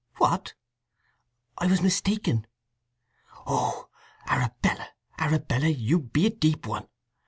"What!" "I was mistaken." "Oh, Arabella, Arabella; you be a deep one!